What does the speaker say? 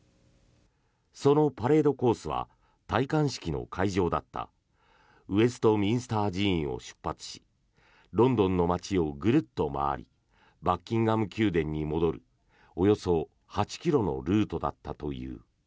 そのパレードコースは戴冠式の会場だったウェストミンスター寺院を出発しロンドンの街をぐるっと回りバッキンガム宮殿に戻るおよそ８ｋｍのルートだったという。